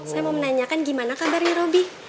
saya mau menanyakan gimana kabarnya roby